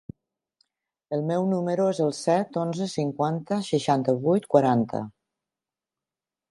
El meu número es el set, onze, cinquanta, seixanta-vuit, quaranta.